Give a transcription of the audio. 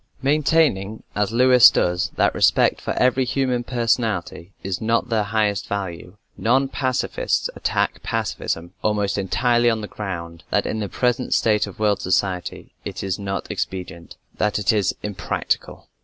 Maintaining as Lewis does that respect for every human personality is not their highest value, non pacifists attack pacifism almost entirely on the ground that in the present state of world society it is not expedient that it is "impractical."